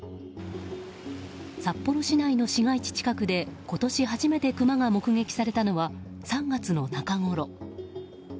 札幌市内の市街地近くで今年初めてクマが目撃されたのは３月の中ごろ。